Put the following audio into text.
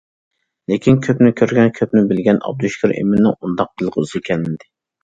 لېكىن كۆپنى كۆرگەن، كۆپنى بىلگەن ئابدۇشۈكۈر ئىمىننىڭ ئۇنداق قىلغۇسى كەلمىدى.